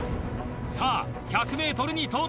さぁ１００ｍに到達。